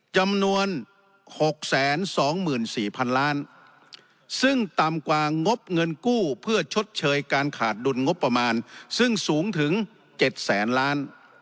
จำนวน๖๒๔๐๐๐ล้านซึ่งต่ำกว่างบเงินกู้เพื่อชดเชยการขาดดุลงบประมาณซึ่งสูงถึง๗แสนล้าน